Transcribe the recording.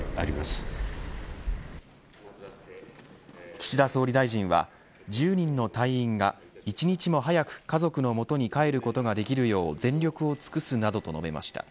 岸田総理大臣は１０人の隊員が１日も早く家族のもとに帰ることができるよう全力を尽くすなどと述べました。